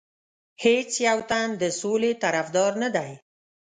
هیڅ یو تن د سولې طرفدار نه دی.